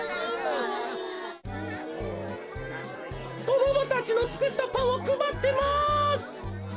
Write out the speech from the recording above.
こどもたちのつくったパンをくばってます！